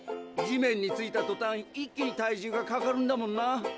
地面に着いたとたん一気に体重がかかるんだもんな。